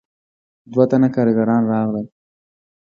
دوه تنه کارګران راغلل.